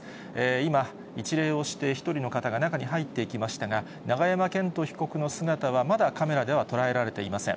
今、一礼をして１人の方が中に入っていきましたが、永山絢斗被告の姿はまだかめらでは捉えられていません。